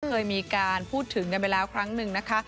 เคยมีการพูดถึงกันไปแล้วครั้งหนึ่งนะคะ